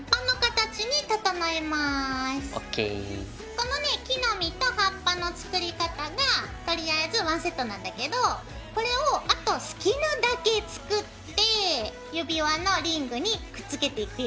このね木の実と葉っぱの作り方がとりあえず１セットなんだけどこれをあと好きなだけ作って指輪のリングにくっつけていくよ。